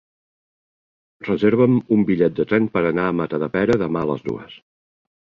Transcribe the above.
Reserva'm un bitllet de tren per anar a Matadepera demà a les dues.